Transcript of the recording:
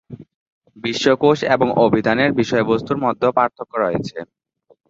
বিশ্বকোষ এবং অভিধানের বিষয়বস্তুর মধ্যেও পার্থক্য রয়েছে।